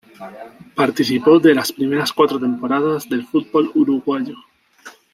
Participó de las primeras cuatro temporadas del fútbol uruguayo.